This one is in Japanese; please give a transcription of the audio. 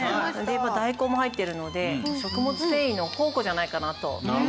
大根も入ってるので食物繊維の宝庫じゃないかなと思います。